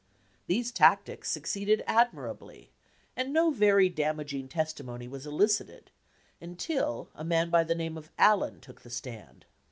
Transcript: These tactics succeeded admirably, and no very damaging testimony was elicited until a man by the name of Allen took the stand.